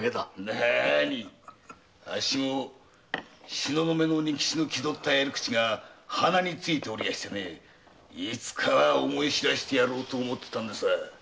なあにあっしも東雲の仁吉の気取った遣り口が鼻についていつかは思い知らせてやろうと思っていたんですが。